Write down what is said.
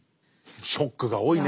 ショックが多いね。